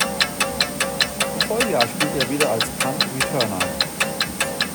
Im Folgejahr spielte er wieder als Punt Returner.